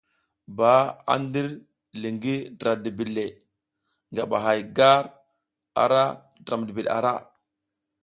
Ba a ndir li ngi dra dibiɗ le, ngaba hay gar ara dra dibiɗ ara.